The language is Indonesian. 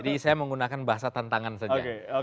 jadi saya menggunakan bahasa tantangan saja